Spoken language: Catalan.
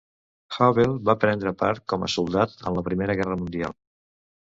Hubble va prendre part com a soldat en la Primera Guerra mundial.